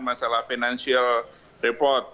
masalah financial report